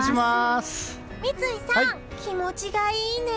三井さん、気持ちがいいね。